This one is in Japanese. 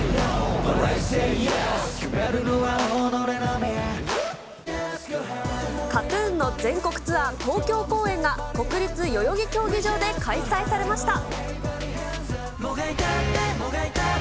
ＫＡＴーＴＵＮの全国ツアー東京公演が、国立代々木競技場で開催されました。